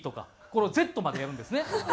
これをＺまでやるんですね。